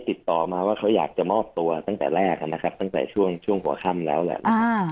ติดต่อมาว่าเขาอยากจะมอบตัวตั้งแต่แรกนะครับตั้งแต่ช่วงหัวค่ำแล้วแหละ